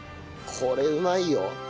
これうまいよ。